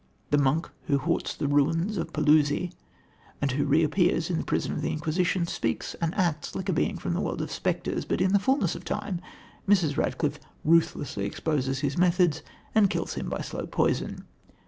The monk, who haunts the ruins of Paluzzi, and who reappears in the prison of the Inquisition, speaks and acts like a being from the world of spectres, but in the fulness of time Mrs. Radcliffe ruthlessly exposes his methods and kills him by slow poison.